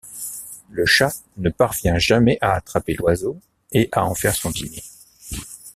Le chat ne parvient jamais à attraper l'oiseau et à en faire son dîner.